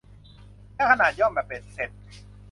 และขนาดย่อมแบบเบ็ดเสร็จ